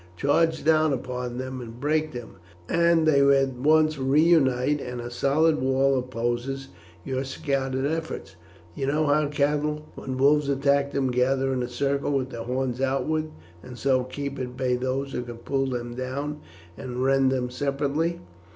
Charge down upon them and break them, and they at once reunite and a solid wall opposes your scattered efforts. You know how cattle, when wolves attack them, gather in a circle with their horns outwards, and so keep at bay those who could pull them down and rend them separately.